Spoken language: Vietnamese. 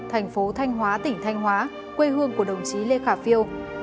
tp thanh hóa tỉnh thanh hóa quê hương của đồng chí lê khả phiêu